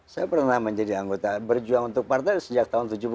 saya pernah menjadi anggota berjuang untuk partai sejak tahun tujuh puluh tujuh